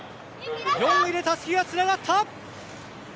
４位でたすきがつながった。